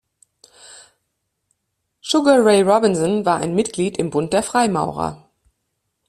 Sugar Ray Robinson war ein Mitglied im Bund der Freimaurer.